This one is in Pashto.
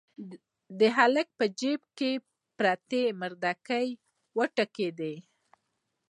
هلک په جيب کې پرتې مردکۍ وټکېدې.